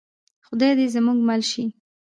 خدای دې زموږ مل شي؟